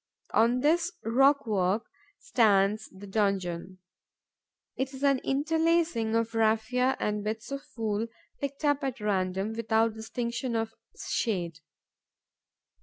On this rockwork stands the donjon. It is an interlacing of raphia and bits of wool, picked up at random, without distinction of shade.